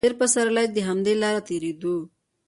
تېر پسرلی چې په همدې لاره تېرېدو.